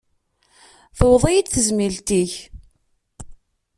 Tewweḍ-iyi-d tezmilt-ik